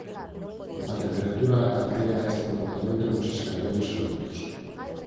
A temperatura altera este comportamento nos escaravellos adultos.